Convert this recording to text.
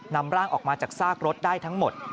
นำร่างออกมาจากซากรถได้ทั้งหมด